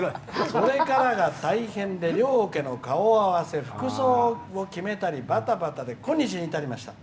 それからが大変で両家の顔合わせ服装を決めたりばたばたで今日に至りました。